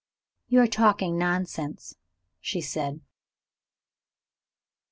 "You are talking nonsense!" she said.